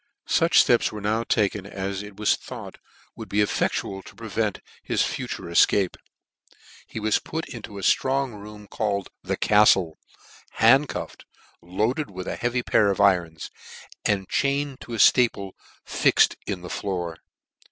Such fleps were now taken as it was thought >ould be diedual to prevent his future efcape. He 400 NEW NEWGATE CALENDAR. He was put into a ftrong room called the Cattle 1 * hand cuffed, loaded with a heavy pair of irons, and chained to a ftaple fixed in the floor.